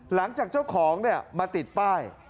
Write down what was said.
หลังจากเจ้าของมาติดป้าย